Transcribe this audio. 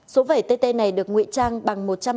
số vẩy tt này được ngụy trang bằng